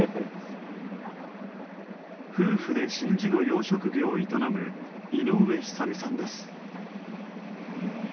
夫婦で真珠の養殖業を営む井上寿美さんです。